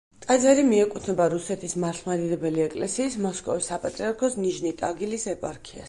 ტაძარი მიეკუთვნება რუსეთის მართლმადიდებელი ეკლესიის მოსკოვის საპატრიარქოს ნიჟნი-ტაგილის ეპარქიას.